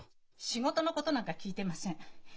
仕事のことなんか聞いてません。